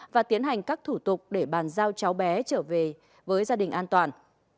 và tiến hành các thủ tục để bàn giao cháu bé trở về với gia đình an toàn